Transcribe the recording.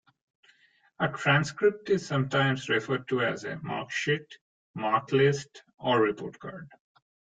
A transcript is sometimes referred to as a marksheet, marklist or report card.